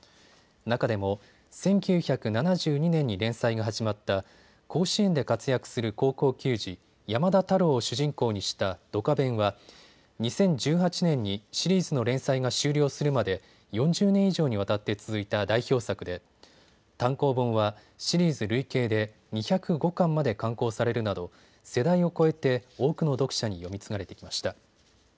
中でも１９７２年に連載が始まった甲子園で活躍する高校球児、山田太郎を主人公にしたドカベンは２０１８年にシリーズの連載が終了するまで４０年以上にわたって続いた代表作で単行本はシリーズ累計で２０５巻まで刊行されるなど世代を超えて多くの読者に読み継がれてきました。